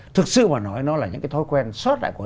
thực sự mà nói nó là những cái thói quen suốt đại của